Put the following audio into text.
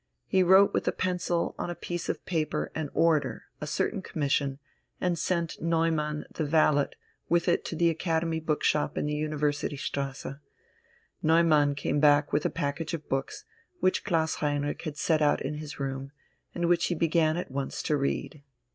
He wrote with a pencil on a piece of paper an order, a certain commission, and sent Neumann, the valet, with it to the Academy Bookshop in the University Strasse: Neumann came back with a package of books, which Klaus Heinrich had set out in his room, and which he began at once to read.